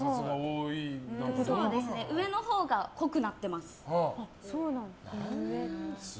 上のほうが濃くなってます。